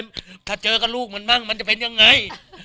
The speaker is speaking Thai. แล้วถ้ามาแล้วก็ลูกมันมั่งมันจะเป็นยังไง